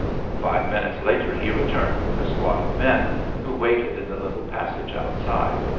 Five minutes later he returned with a squad of men who waited in the little passage outside.